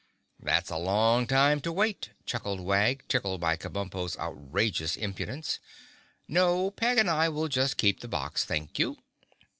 "That's a long time to wait," chuckled Wag, tickled by Kabumpo's outrageous impudence. "No, Peg and I will just keep the box, thank you."